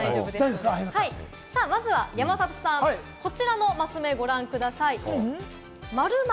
まずは山里さん、こちらのマス目をご覧ください。